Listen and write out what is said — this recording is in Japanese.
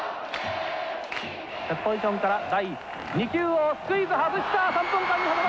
セットポジションから第２球をスクイズ、外した。